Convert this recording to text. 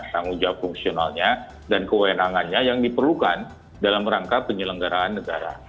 tanggung jawab fungsionalnya dan kewenangannya yang diperlukan dalam rangka penyelenggaraan negara